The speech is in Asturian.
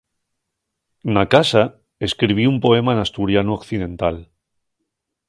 Na casa escribí un poema n'asturianu occidental.